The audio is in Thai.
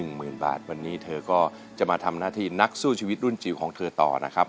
หมื่นบาทวันนี้เธอก็จะมาทำหน้าที่นักสู้ชีวิตรุ่นจิ๋วของเธอต่อนะครับ